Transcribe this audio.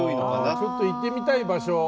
ちょっと行ってみたい場所。